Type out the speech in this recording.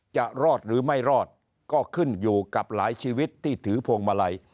จะรอดหรือไม่รอดก็ขึ้นอยู่กับหลายชีวิตที่ถือพวงมาลัย